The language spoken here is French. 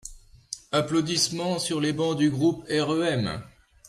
Applaudissements sur les bancs du groupe REM.